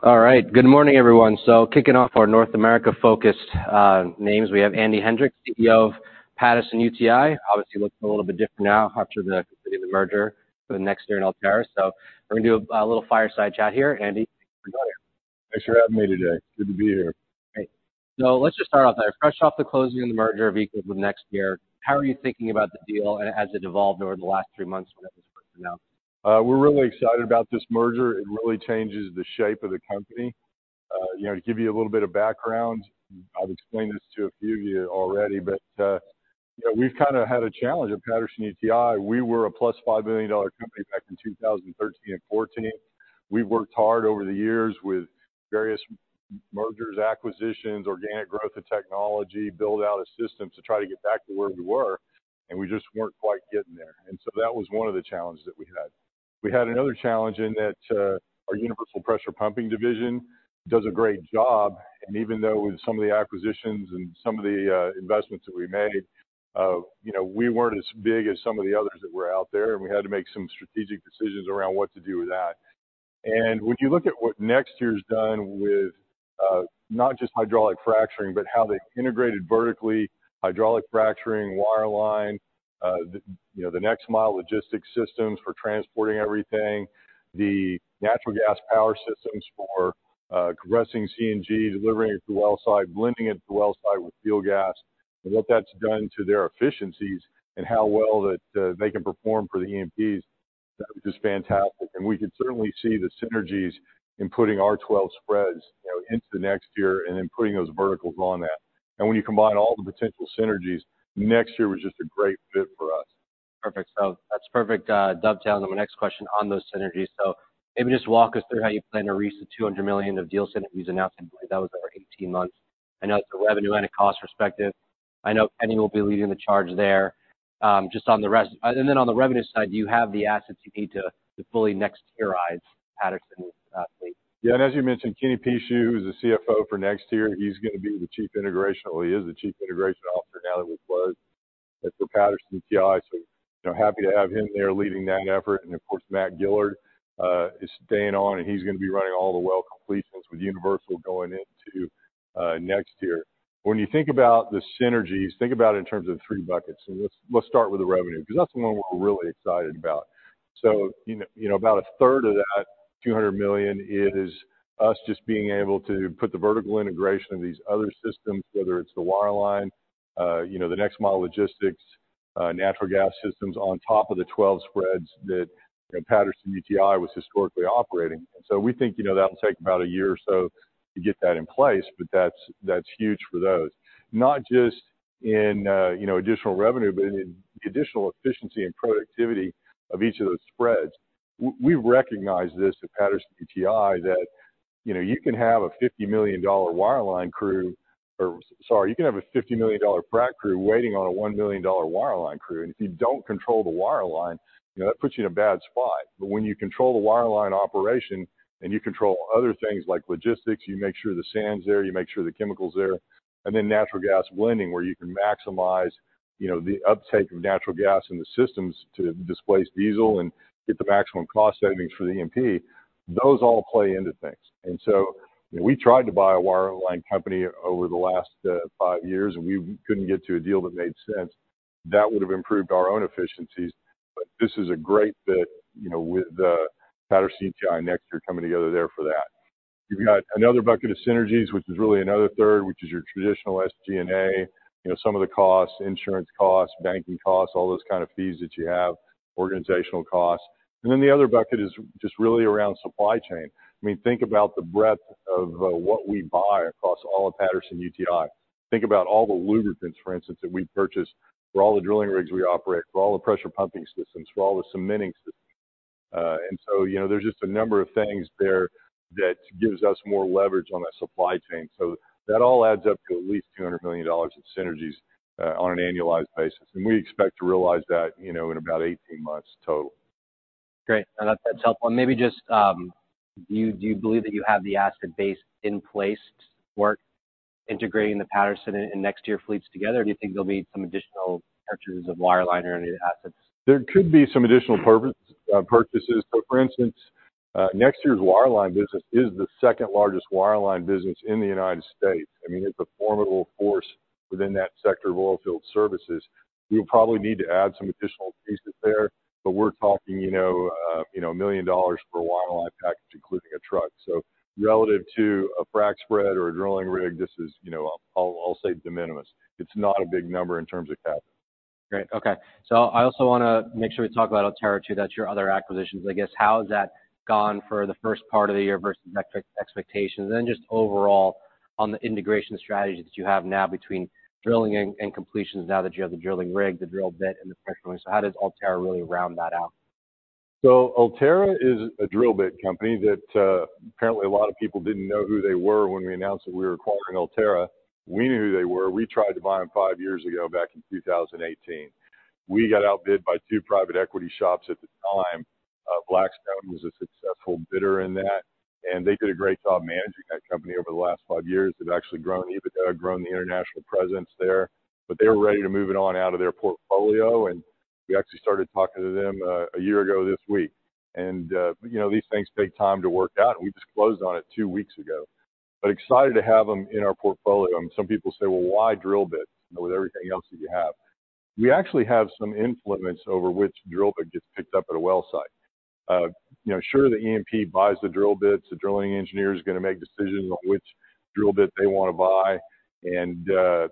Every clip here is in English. All right. Good morning, everyone. So kicking off our North America-focused names, we have Andy Hendricks, CEO of Patterson-UTI. Obviously, looks a little bit different now after the merger with NexTier and Ulterra. So we're gonna do a little fireside chat here, Andy. Thanks for having me today. Good to be here. Great. So let's just start off there. Fresh off the closing and the merger of equals with NexTier, how are you thinking about the deal, and as it evolved over the last three months when it was first announced? We're really excited about this merger. It really changes the shape of the company. You know, to give you a little bit of background, I've explained this to a few of you already, but, you know, we've kind of had a challenge at Patterson-UTI. We were a +$5 billion company back in 2013 and 2014. We've worked hard over the years with various mergers, acquisitions, organic growth of technology, build out a system to try to get back to where we were, and we just weren't quite getting there. And so that was one of the challenges that we had. We had another challenge in that, our Universal Pressure Pumping division does a great job, and even though some of the acquisitions and some of the investments that we made, you know, we weren't as big as some of the others that were out there, and we had to make some strategic decisions around what to do with that. When you look at what NexTier's done with, not just hydraulic fracturing, but how they integrated vertically, hydraulic fracturing, wireline, the, you know, the next mile logistics systems for transporting everything, the natural gas power systems for progressing CNG, delivering it to the wellsite, blending it to the wellsite with fuel gas, and what that's done to their efficiencies and how well that they can perform for the E&Ps, that was just fantastic. We could certainly see the synergies in putting our 12 spreads, you know, into the next year and then putting those verticals on that. When you combine all the potential synergies, NexTier was just a great fit for us. Perfect. So that's perfect, dovetail to my next question on those synergies. So maybe just walk us through how you plan to reach the $200 million of deal synergies announced. That was over 18 months. I know it's a revenue and a cost perspective. I know Kenny will be leading the charge there. Just on the rest - and then on the revenue side, do you have the assets you need to fully NexTierize Patterson fleet? Yeah, and as you mentioned, Kenny Pucheu, who's the CFO for NexTier, he's gonna be the chief integration, or he is the chief integration officer now that we've closed. But for Patterson-UTI, so happy to have him there leading that effort. And of course, Matt Gillard is staying on, and he's gonna be running all the well completions with Universal going into NexTier. When you think about the synergies, think about it in terms of three buckets. So let's start with the revenue, because that's the one we're really excited about. So, you know, about a third of that $200 million is us just being able to put the vertical integration of these other systems, whether it's the wireline, you know, the next mile logistics, natural gas systems, on top of the 12 spreads that, you know, Patterson-UTI was historically operating. So we think, you know, that'll take about a year or so to get that in place, but that's, that's huge for those. Not just in, you know, additional revenue, but in the additional efficiency and productivity of each of those spreads. We recognize this at Patterson-UTI, that, you know, you can have a $50 million wireline crew, or sorry, you can have a $50 million frack crew waiting on a $1 million wireline crew, and if you don't control the wireline, you know, that puts you in a bad spot. But when you control the wireline operation and you control other things like logistics, you make sure the sand's there, you make sure the chemical's there, and then natural gas blending, where you can maximize, you know, the uptake of natural gas in the systems to displace diesel and get the maximum cost savings for the E&P, those all play into things. And so we tried to buy a wireline company over the last five years, and we couldn't get to a deal that made sense. That would have improved our own efficiencies, but this is a great fit, you know, with the Patterson-UTI NexTier coming together there for that. You've got another bucket of synergies, which is really another third, which is your traditional SG&A, you know, some of the costs, insurance costs, banking costs, all those kind of fees that you have, organizational costs. And then the other bucket is just really around supply chain. I mean, think about the breadth of what we buy across all of Patterson-UTI. Think about all the lubricants, for instance, that we purchase for all the drilling rigs we operate, for all the pressure pumping systems, for all the cementing systems. And so, you know, there's just a number of things there that gives us more leverage on that supply chain. So that all adds up to at least $200 million in synergies on an annualized basis. And we expect to realize that, you know, in about 18 months total. Great. I think that's helpful. And maybe just, do you, do you believe that you have the asset base in place to work integrating the Patterson and NexTier fleets together? Do you think there'll be some additional purchases of wireline or any assets? There could be some additional purchases. So for instance, NexTier's wireline business is the second largest wireline business in the United States. I mean, it's a formidable force within that sector of oilfield services. We'll probably need to add some additional pieces there, but we're talking, you know, you know, $1 million for a wireline package, including a truck. So relative to a frac spread or a drilling rig, this is, you know, I'll say de minimis. It's not a big number in terms of capital. Great. Okay. So I also wanna make sure we talk about Ulterra, too. That's your other acquisitions, I guess. How has that gone for the first part of the year versus expectations? And then just overall on the integration strategy that you have now between drilling and completions now that you have the drilling rig, the drill bit, and the pressure. So how does Ulterra really round that out? So Ulterra is a drill bit company that, apparently a lot of people didn't know who they were when we announced that we were acquiring Ulterra. We knew who they were. We tried to buy them five years ago, back in 2018. We got outbid by two private equity shops at the time. Blackstone was a successful bidder in that, and they did a great job managing that company over the last five years. They've actually grown EBITDA, grown the international presence there, but they were ready to move it on out of their portfolio. We actually started talking to them a year ago this week. And, you know, these things take time to work out, and we just closed on it 2 weeks ago. But excited to have them in our portfolio. And some people say, "Well, why drill bits, you know, with everything else that you have?" We actually have some influence over which drill bit gets picked up at a well site. You know, sure, the E&P buys the drill bits. The drilling engineer is going to make decisions on which drill bit they want to buy, and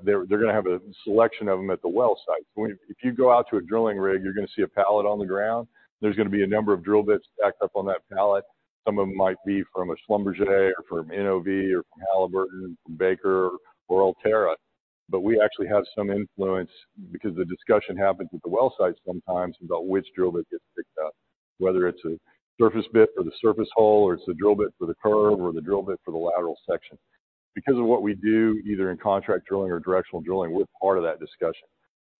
they're going to have a selection of them at the well site. If you go out to a drilling rig, you're going to see a pallet on the ground. There's going to be a number of drill bits stacked up on that pallet. Some of them might be from a Schlumberger or from NOV or from Halliburton, from Baker or Ulterra. But we actually have some influence because the discussion happens at the well site sometimes about which drill bit gets picked up, whether it's a surface bit for the surface hole, or it's a drill bit for the curve, or the drill bit for the lateral section. Because of what we do, either in contract drilling or directional drilling, we're part of that discussion.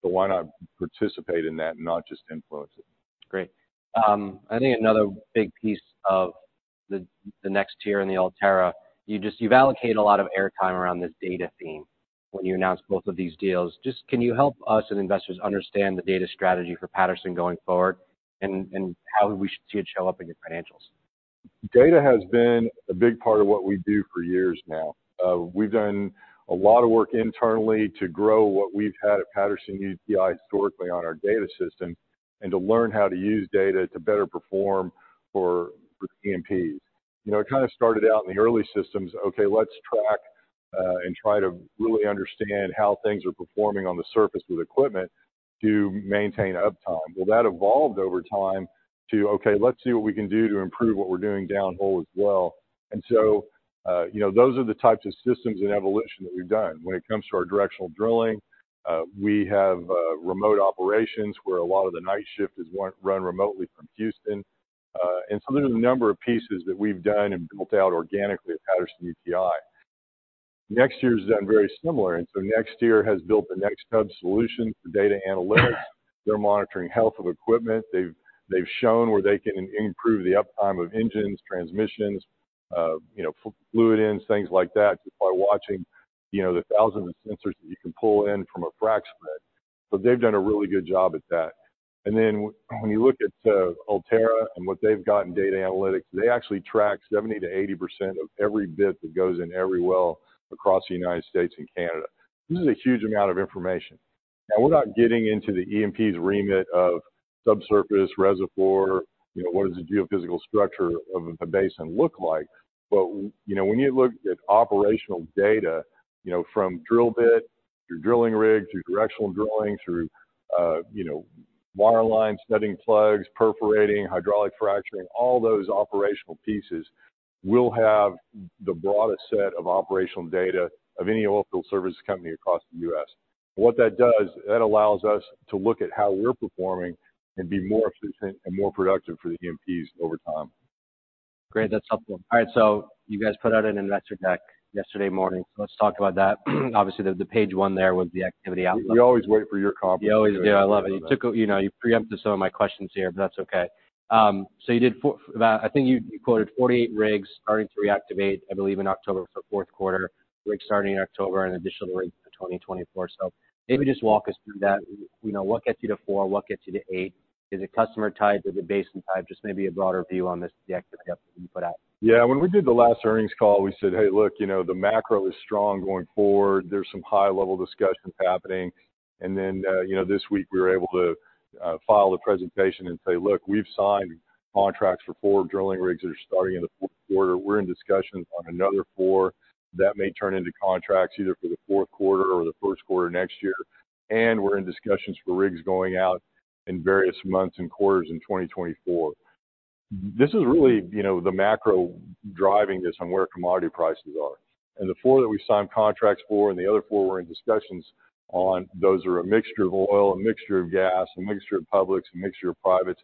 So why not participate in that and not just influence it? Great. I think another big piece of the NexTier and the Ulterra, you've allocated a lot of airtime around this data theme when you announced both of these deals. Just, can you help us and investors understand the data strategy for Patterson going forward, and how we should see it show up in your financials? Data has been a big part of what we do for years now. We've done a lot of work internally to grow what we've had at Patterson-UTI historically on our data system, and to learn how to use data to better perform for, for E&Ps. You know, it kind of started out in the early systems: Okay, let's track, and try to really understand how things are performing on the surface with equipment to maintain uptime. Well, that evolved over time to, "Okay, let's see what we can do to improve what we're doing downhole as well." And so, you know, those are the types of systems and evolution that we've done. When it comes to our directional drilling, we have, remote operations, where a lot of the night shift is run, run remotely from Houston. And so there's a number of pieces that we've done and built out organically at Patterson-UTI. NexTier has done very similar, and so NexTier has built the NexHub solution for data analytics. They're monitoring health of equipment. They've, they've shown where they can improve the uptime of engines, transmissions, you know, fluid ends, things like that, just by watching, you know, the thousands of sensors that you can pull in from a frac spread. So they've done a really good job at that. And then when you look at Ulterra and what they've got in data analytics, they actually track 70%-80% of every bit that goes in every well across the United States and Canada. This is a huge amount of information. Now, we're not getting into the E&P's remit of subsurface reservoir, you know, what does the geophysical structure of a basin look like? But, you know, when you look at operational data, you know, from drill bit to drilling rig, through directional drilling, through, you know, wireline, setting plugs, perforating, hydraulic fracturing, all those operational pieces, we'll have the broadest set of operational data of any oilfield services company across the U.S. What that does, that allows us to look at how we're performing and be more efficient and more productive for the E&Ps over time. Great. That's helpful. All right, so you guys put out an investor deck yesterday morning. Let's talk about that. Obviously, the page one there was the activity outlook. We always wait for your conference. We always do. I love it. You took. You know, you preempted some of my questions here, but that's okay. So you did four. I think you quoted 48 rigs starting to reactivate, I believe, in October for fourth quarter, rigs starting in October and additionally, in 2024. So maybe just walk us through that. You know, what gets you to four? What gets you to eight? Is it customer type? Is it basin type? Just maybe a broader view on this, the activity you put out. Yeah. When we did the last earnings call, we said: Hey, look, you know, the macro is strong going forward. There's some high-level discussions happening. And then, you know, this week, we were able to file the presentation and say: Look, we've signed contracts for four drilling rigs that are starting in the fourth quarter. We're in discussions on another four that may turn into contracts, either for the fourth quarter or the first quarter next year. And we're in discussions for rigs going out in various months and quarters in 2024. This is really, you know, the macro driving this on where commodity prices are. And the four that we signed contracts for and the other four we're in discussions on, those are a mixture of oil, a mixture of gas, a mixture of publics, a mixture of privates.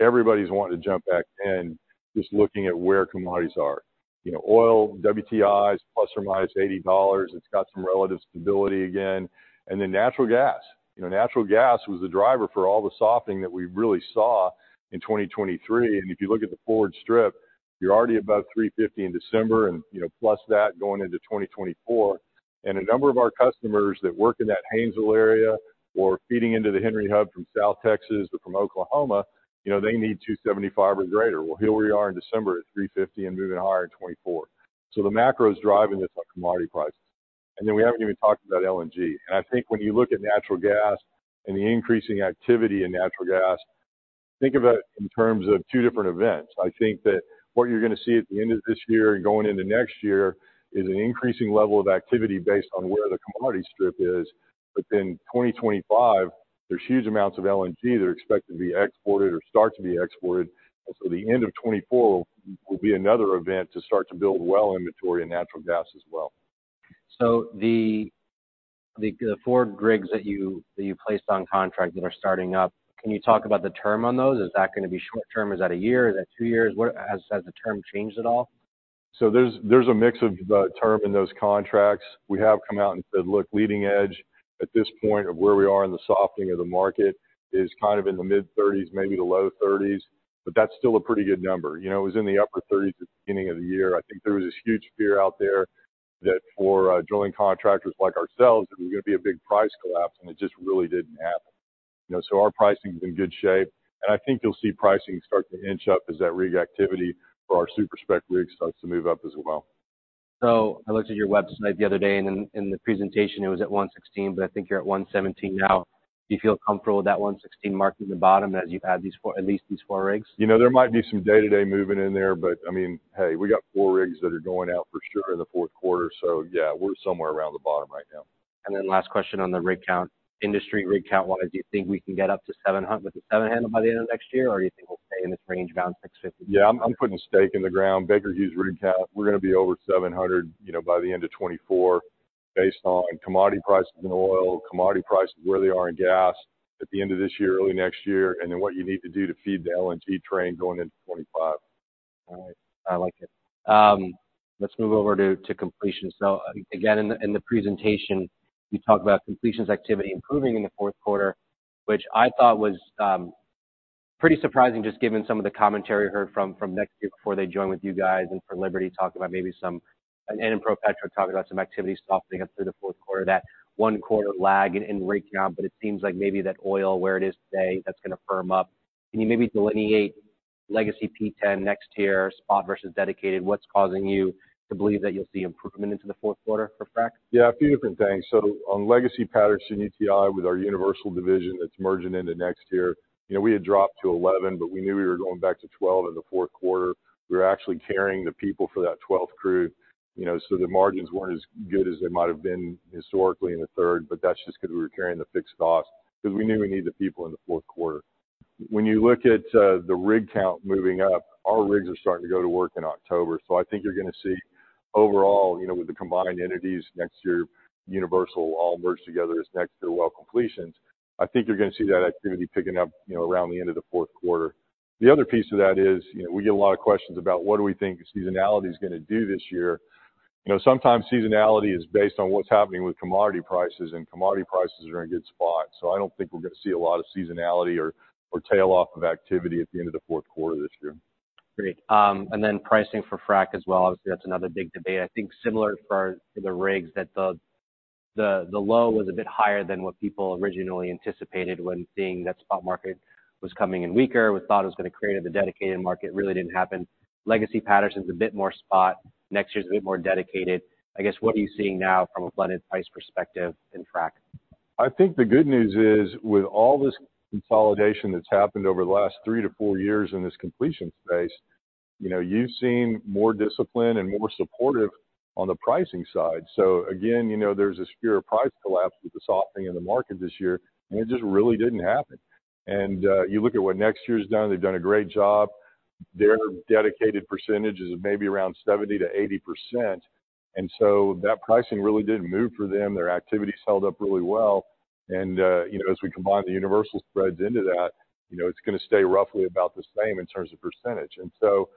Everybody's wanting to jump back in, just looking at where commodities are. You know, oil, WTI is plus or minus $80. It's got some relative stability again. And then natural gas. You know, natural gas was the driver for all the softening that we really saw in 2023. And if you look at the forward strip, you're already above $3.50 in December and, you know, plus that going into 2024. And a number of our customers that work in that Haynesville area or feeding into the Henry Hub from South Texas or from Oklahoma, you know, they need $2.75 or greater. Well, here we are in December at $3.50 and moving higher in 2024. So the macro is driving this on commodity prices. And then we haven't even talked about LNG. I think when you look at natural gas and the increasing activity in natural gas, think about it in terms of two different events. I think that what you're going to see at the end of this year and going into next year is an increasing level of activity based on where the commodity strip is. But then 2025, there's huge amounts of LNG that are expected to be exported or start to be exported. And so the end of 2024 will be another event to start to build well inventory and natural gas as well. So the four rigs that you placed on contract that are starting up, can you talk about the term on those? Is that going to be short term? Is that a year? Is that two years? What? Has the term changed at all? So there's a mix of term in those contracts. We have come out and said, look, leading edge at this point of where we are in the softening of the market is kind of in the mid-30s, maybe the low 30s, but that's still a pretty good number. You know, it was in the upper 30s at the beginning of the year. I think there was this huge fear out there... that for drilling contractors like ourselves, there was going to be a big price collapse, and it just really didn't happen. You know, so our pricing's in good shape, and I think you'll see pricing start to inch up as that rig activity for our super-spec rigs starts to move up as well. So I looked at your website the other day, and in the presentation, it was at 116, but I think you're at 117 now. Do you feel comfortable with that 116 mark in the bottom as you've added these 4 - at least these 4 rigs? You know, there might be some day-to-day moving in there, but, I mean, hey, we got 4 rigs that are going out for sure in the fourth quarter. So yeah, we're somewhere around the bottom right now. And then last question on the rig count. Industry rig count, what do you think we can get up to 700—with the 700 by the end of next year? Or do you think we'll stay in this range around 650? Yeah, I'm putting a stake in the ground. Baker Hughes rig count, we're going to be over 700, you know, by the end of 2024, based on commodity prices in oil, commodity prices, where they are in gas at the end of this year, early next year, and then what you need to do to feed the LNG train going into 2025. All right. I like it. Let's move over to completions. So, again, in the presentation, you talked about completions activity improving in the fourth quarter, which I thought was pretty surprising, just given some of the commentary I heard from NexTier before they joined with you guys and from Liberty, talking about maybe some and in ProPetro, talking about some activity stopping up through the fourth quarter, that one quarter lag in rig count. But it seems like maybe that oil, where it is today, that's going to firm up. Can you maybe delineate legacy PTEN NexTier, spot versus dedicated? What's causing you to believe that you'll see improvement into the fourth quarter for frac? Yeah, a few different things. So on legacy Patterson-UTI, with our Universal division that's merging into NexTier. You know, we had dropped to 11, but we knew we were going back to 12 in the fourth quarter. We were actually carrying the people for that 12th crew, you know, so the margins weren't as good as they might have been historically in the third, but that's just because we were carrying the fixed cost, because we knew we need the people in the fourth quarter. When you look at the rig count moving up, our rigs are starting to go to work in October. So I think you're going to see overall, you know, with the combined entities NexTier, Universal all merged together as NexTier Well Completions. I think you're going to see that activity picking up, you know, around the end of the fourth quarter. The other piece of that is, you know, we get a lot of questions about what do we think seasonality is going to do this year? You know, sometimes seasonality is based on what's happening with commodity prices, and commodity prices are in a good spot. So I don't think we're going to see a lot of seasonality or tail off of activity at the end of the fourth quarter this year. Great. And then pricing for frac as well. Obviously, that's another big debate. I think similar for the rigs, that the low was a bit higher than what people originally anticipated when seeing that spot market was coming in weaker. We thought it was going to create a dedicated market. Really didn't happen. Legacy Patterson is a bit more spot. NexTier's a bit more dedicated. I guess, what are you seeing now from a blended price perspective in frac? I think the good news is, with all this consolidation that's happened over the last 3-4 years in this completion space, you know, you've seen more discipline and more supportive on the pricing side. So again, you know, there's this fear of price collapse with the softening in the market this year, and it just really didn't happen. And, you look at what NexTier's done, they've done a great job. Their dedicated percentage is maybe around 70%-80%, and so that pricing really didn't move for them. Their activity held up really well, and, you know, as we combine the Universal spreads into that, you know, it's going to stay roughly about the same in terms of percentage. And so,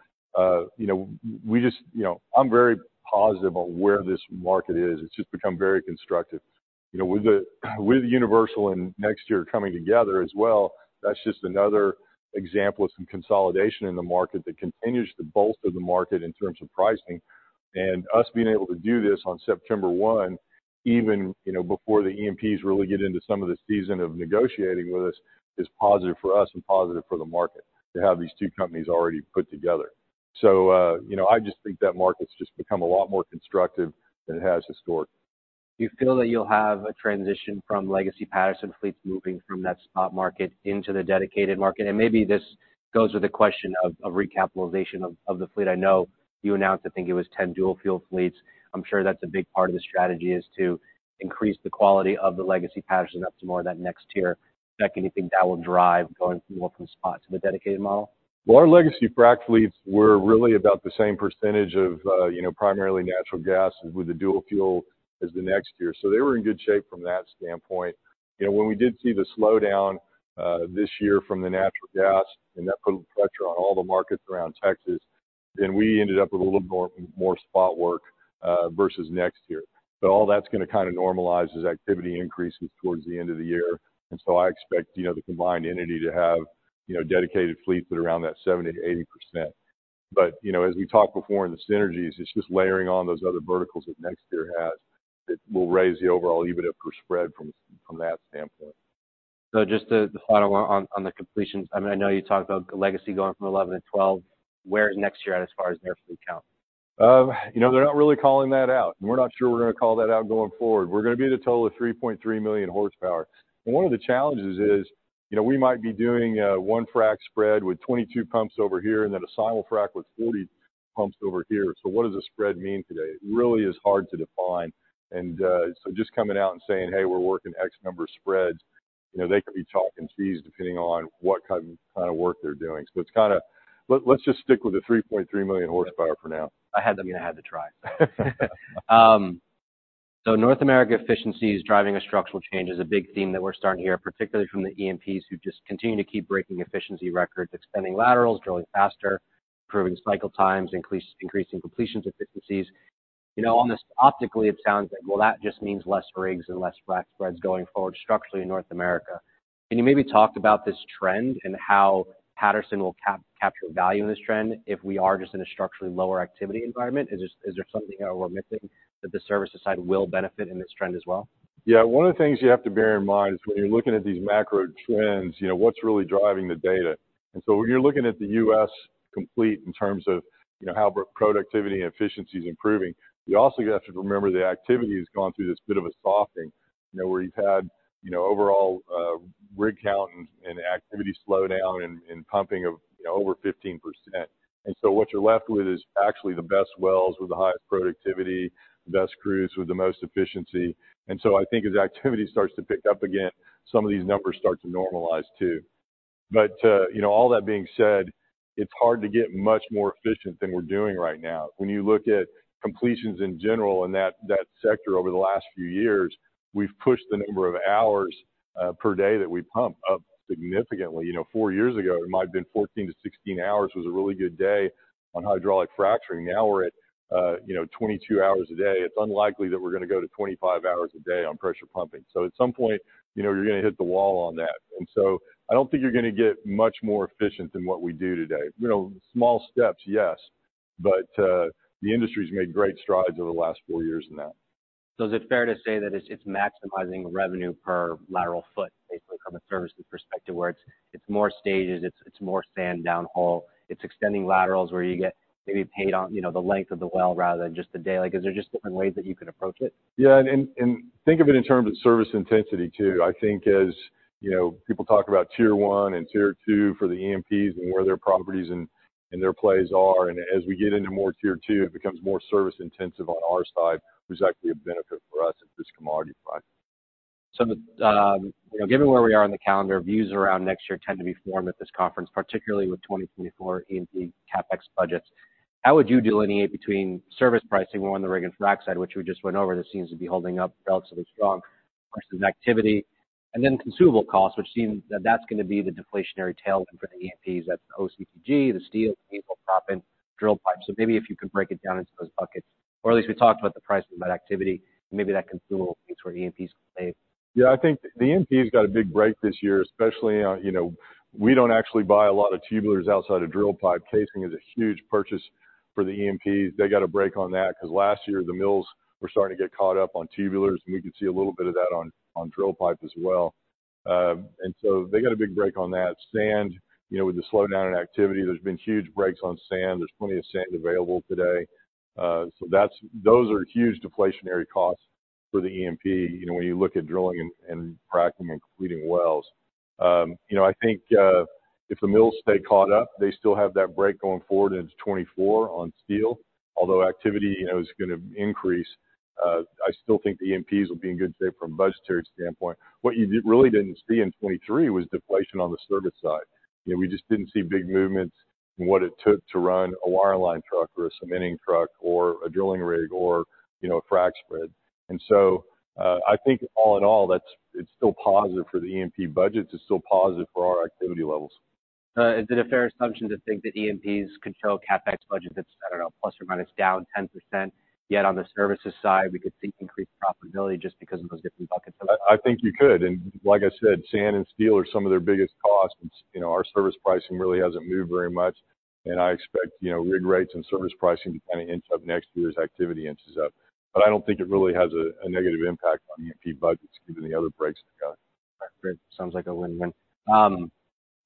you know, we just, you know, I'm very positive on where this market is. It's just become very constructive. You know, with the, with Ulterra and NexTier coming together as well, that's just another example of some consolidation in the market that continues to bolster the market in terms of pricing. And us being able to do this on September 1, even, you know, before the E&Ps really get into some of the season of negotiating with us, is positive for us and positive for the market to have these two companies already put together. So, you know, I just think that market's just become a lot more constructive than it has historically. Do you feel that you'll have a transition from legacy Patterson fleets moving from that spot market into the dedicated market? And maybe this goes with the question of, of recapitalization of, of the fleet. I know you announced, I think it was 10 dual-fuel fleets. I'm sure that's a big part of the strategy, is to increase the quality of the legacy Patterson up to more of that NexTier. Do you think that will drive going from spot to the dedicated model? Well, our legacy frack fleets were really about the same percentage of, you know, primarily natural gas with the dual fuel as NexTier. So they were in good shape from that standpoint. You know, when we did see the slowdown, this year from the natural gas, and that put pressure on all the markets around Texas, then we ended up with a little more, more spot work, versus NexTier. But all that's going to kind of normalize as activity increases towards the end of the year. And so I expect, you know, the combined entity to have, you know, dedicated fleets at around that 70%-80%. But, you know, as we talked before, in the synergies, it's just layering on those other verticals that NexTier has, that will raise the overall EBITDA per spread from, from that standpoint. So just to follow on, on the completions. I mean, I know you talked about legacy going from 11-12. Where is next year at, as far as their fleet count? You know, they're not really calling that out, and we're not sure we're going to call that out going forward. We're going to be at a total of 3.3 million horsepower. And one of the challenges is, you know, we might be doing one frack spread with 22 pumps over here and then a simulfrac with 40 pumps over here. So what does a spread mean today? It really is hard to define. And so just coming out and saying, "Hey, we're working X number of spreads," you know, they could be talking fees depending on what kind of work they're doing. So it's kind of... Let's just stick with the 3.3 million horsepower for now. I had to, I mean, I had to try. So North America efficiency is driving a structural change is a big theme that we're starting to hear, particularly from the E&Ps, who just continue to keep breaking efficiency records, expanding laterals, drilling faster, improving cycle times, increasing completions efficiencies. You know, on this, optically, it sounds like, well, that just means less rigs and less frac spreads going forward structurally in North America. Can you maybe talk about this trend and how Patterson will capture value in this trend if we are just in a structurally lower activity environment? Is there, is there something that we're missing, that the services side will benefit in this trend as well? Yeah. One of the things you have to bear in mind is, when you're looking at these macro trends, you know, what's really driving the data? And so when you're looking at the U.S. completions in terms of, you know, how productivity and efficiency is improving, you also have to remember the activity has gone through this bit of a softening. You know, where you've had, you know, overall, rig count and activity slow down and pumping of, you know, over 15%. And so what you're left with is actually the best wells with the highest productivity, the best crews with the most efficiency. And so I think as activity starts to pick up again, some of these numbers start to normalize too. But, you know, all that being said, it's hard to get much more efficient than we're doing right now. When you look at completions in general, in that, that sector over the last few years, we've pushed the number of hours per day that we pump up significantly. You know, four years ago, it might have been 14-16 hours was a really good day on hydraulic fracturing. Now we're at, you know, 22 hours a day. It's unlikely that we're gonna go to 25 hours a day on pressure pumping. So at some point, you know, you're gonna hit the wall on that. And so I don't think you're gonna get much more efficient than what we do today. You know, small steps, yes, but the industry's made great strides over the last four years now. So is it fair to say that it's, it's maximizing revenue per lateral foot, basically, from a services perspective, where it's, it's more stages, it's, it's more sand down hole. It's extending laterals where you get maybe paid on, you know, the length of the well, rather than just the day. Like, is there just different ways that you can approach it? Yeah, and think of it in terms of service intensity, too. I think as, you know, people talk about tier one and tier two for the E&Ps and where their properties and their plays are, and as we get into more tier two, it becomes more service-intensive on our side, which is actually a benefit for us at this commodity price. So, you know, given where we are in the calendar, views around next year tend to be formed at this conference, particularly with 2024 E&P CapEx budgets. How would you delineate between service pricing on the rig and frac side, which we just went over, that seems to be holding up relatively strong versus activity, and then consumable costs, which seems that that's gonna be the deflationary tailwind for the E&Ps. That's OCTG, the steel, equal proppant, drill pipe. So maybe if you could break it down into those buckets, or at least we talked about the price of that activity, and maybe that consumable piece where E&Ps play. Yeah, I think the E&P has got a big break this year, especially on, you know. We don't actually buy a lot of tubulars outside of drill pipe. Casing is a huge purchase for the E&Ps. They got a break on that because last year, the mills were starting to get caught up on tubulars, and we could see a little bit of that on, on drill pipe as well. And so they got a big break on that. Sand, you know, with the slowdown in activity, there's been huge breaks on sand. There's plenty of sand available today. So that's those are huge deflationary costs for the E&P, you know, when you look at drilling and, and fracking and completing wells. You know, I think if the mills stay caught up, they still have that break going forward into 2024 on steel, although activity, you know, is gonna increase. I still think the E&Ps will be in good shape from a budgetary standpoint. What you really didn't see in 2023 was deflation on the service side. You know, we just didn't see big movements in what it took to run a wireline truck or a cementing truck or a drilling rig or, you know, a frac spread. And so, I think all in all, it's still positive for the E&P budgets. It's still positive for our activity levels. Is it a fair assumption to think that E&Ps could show CapEx budget that's, I don't know, ±10% down, yet on the services side, we could see increased profitability just because of those different buckets? I think you could, and like I said, sand and steel are some of their biggest costs. You know, our service pricing really hasn't moved very much, and I expect, you know, rig rates and service pricing to kind of inch up next year as activity inches up. But I don't think it really has a negative impact on E&P budgets, given the other breaks they got. Great. Sounds like a win-win.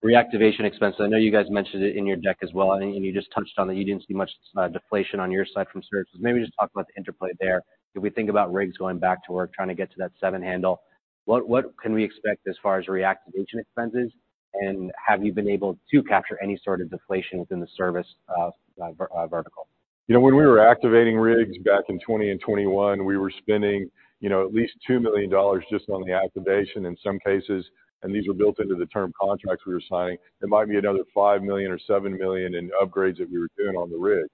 Reactivation expenses, I know you guys mentioned it in your deck as well, and you just touched on that you didn't see much deflation on your side from services. Maybe just talk about the interplay there. If we think about rigs going back to work, trying to get to that 7 handle, what can we expect as far as reactivation expenses? And have you been able to capture any sort of deflation within the service vertical? You know, when we were activating rigs back in 2020 and 2021, we were spending, you know, at least $2 million just on the activation in some cases, and these were built into the term contracts we were signing. There might be another $5 million or $7 million in upgrades that we were doing on the rig.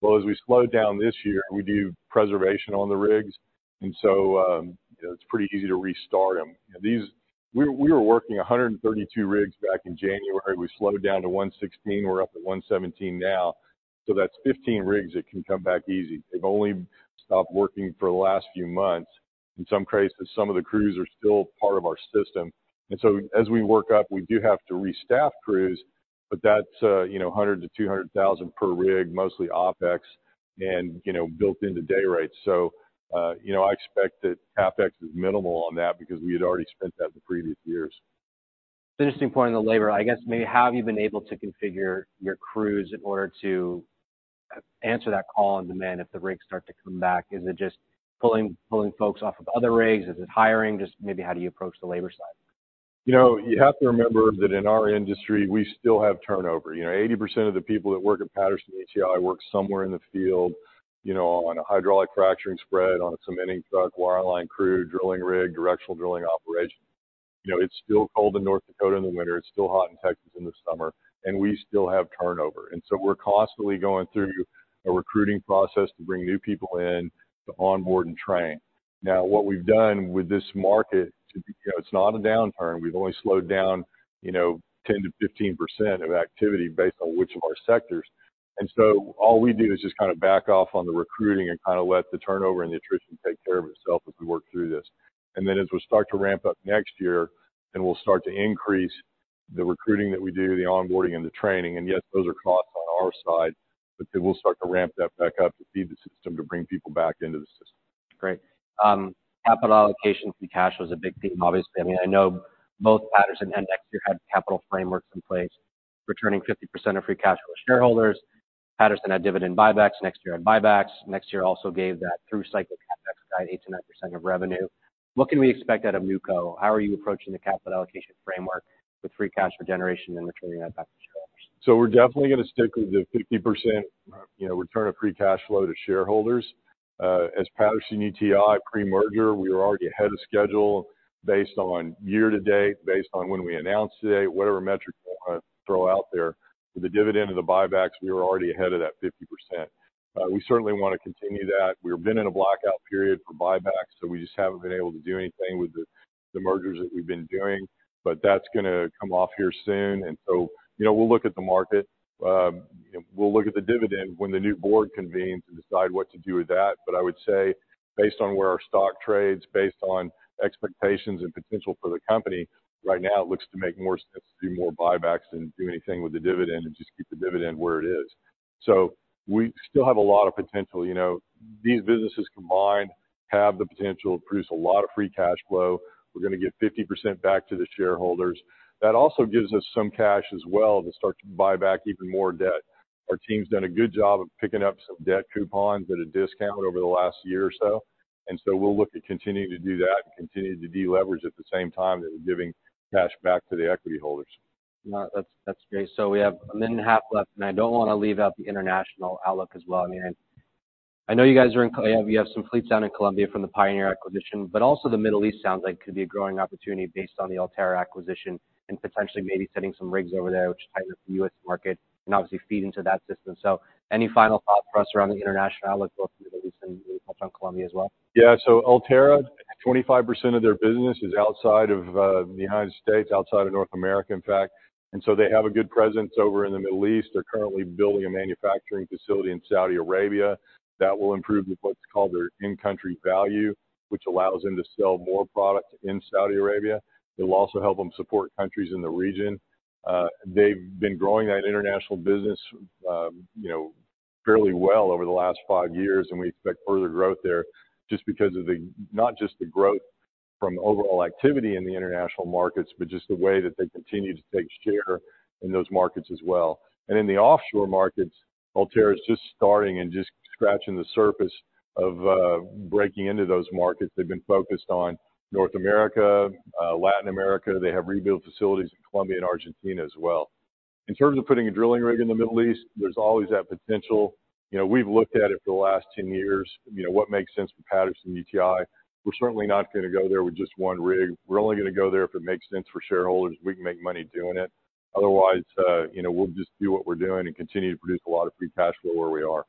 Well, as we slowed down this year, we do preservation on the rigs, and so, you know, it's pretty easy to restart them. We were working 132 rigs back in January. We slowed down to 116. We're up to 117 now. So that's 15 rigs that can come back easy. They've only stopped working for the last few months. In some cases, some of the crews are still part of our system, and so as we work up, we do have to restaff crews, but that's, you know, $100,000-$200,000 per rig, mostly OpEx and, you know, built into day rates. So, you know, I expect that CapEx is minimal on that because we had already spent that in the previous years. Interesting point on the labor, I guess, maybe how have you been able to configure your crews in order to answer that call on demand if the rigs start to come back? Is it just pulling folks off of other rigs? Is it hiring? Just maybe how do you approach the labor side? You know, you have to remember that in our industry, we still have turnover. You know, 80% of the people that work at Patterson-UTI work somewhere in the field, you know, on a hydraulic fracturing spread, on a cementing truck, wireline crew, drilling rig, directional drilling operation. You know, it's still cold in North Dakota in the winter. It's still hot in Texas in the summer, and we still have turnover. So we're constantly going through a recruiting process to bring new people in to onboard and train. Now, what we've done with this market, you know, it's not a downturn. We've only slowed down, you know, 10%-15% of activity based on which of our sectors.... And so all we do is just kind of back off on the recruiting and kind of let the turnover and the attrition take care of itself as we work through this. And then as we start to ramp up next year, then we'll start to increase the recruiting that we do, the onboarding, and the training. And yes, those are costs on our side, but then we'll start to ramp that back up to feed the system, to bring people back into the system. Great. Capital allocations and cash was a big theme, obviously. I mean, I know both Patterson and NexTier had capital frameworks in place, returning 50% of free cash flow to shareholders. Patterson had dividend buybacks, NexTier had buybacks. NexTier also gave that through cycle CapEx guide, 8%-9% of revenue. What can we expect out of NewCo? How are you approaching the capital allocation framework with free cash flow generation and returning that back to shareholders? So we're definitely gonna stick with the 50%, you know, return of free cash flow to shareholders. As Patterson-UTI pre-merger, we were already ahead of schedule based on year to date, based on when we announced today, whatever metric you want to throw out there. With the dividend and the buybacks, we were already ahead of that 50%. We certainly want to continue that. We've been in a blackout period for buybacks, so we just haven't been able to do anything with the, the mergers that we've been doing. But that's gonna come off here soon, and so, you know, we'll look at the market. We'll look at the dividend when the new board convenes and decide what to do with that. I would say, based on where our stock trades, based on expectations and potential for the company, right now it looks to make more sense to do more buybacks than do anything with the dividend, and just keep the dividend where it is. We still have a lot of potential. You know, these businesses combined have the potential to produce a lot of free cash flow. We're gonna give 50% back to the shareholders. That also gives us some cash as well to start to buy back even more debt. Our team's done a good job of picking up some debt coupons at a discount over the last year or so, and so we'll look at continuing to do that and continue to deleverage at the same time as giving cash back to the equity holders. No, that's, that's great. So we have a minute and a half left, and I don't want to leave out the international outlook as well. I mean, I, I know you guys are in-- you have some fleets down in Colombia from the Pioneer acquisition, but also the Middle East sounds like it could be a growing opportunity based on the Ulterra acquisition and potentially maybe setting some rigs over there, which ties up the U.S. market and obviously feed into that system. So any final thoughts for us around the international outlook, both in the Middle East and maybe touch on Colombia as well? Yeah, so Ulterra, 25% of their business is outside of the United States, outside of North America, in fact. So they have a good presence over in the Middle East. They're currently building a manufacturing facility in Saudi Arabia that will improve what's called their in-country value, which allows them to sell more product in Saudi Arabia. It will also help them support countries in the region. They've been growing that international business, you know, fairly well over the last five years, and we expect further growth there just because of the, not just the growth from overall activity in the international markets, but just the way that they continue to take share in those markets as well. And in the offshore markets, Ulterra is just starting and just scratching the surface of breaking into those markets. They've been focused on North America, Latin America. They have rebuilt facilities in Colombia and Argentina as well. In terms of putting a drilling rig in the Middle East, there's always that potential. You know, we've looked at it for the last 10 years. You know, what makes sense for Patterson-UTI? We're certainly not gonna go there with just one rig. We're only gonna go there if it makes sense for shareholders. We can make money doing it. Otherwise, you know, we'll just do what we're doing and continue to produce a lot of free cash flow where we are.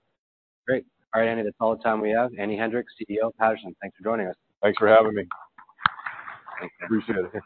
Great. All right, Andy, that's all the time we have. Andy Hendricks, CEO of Patterson. Thanks for joining us. Thanks for having me. Appreciate it.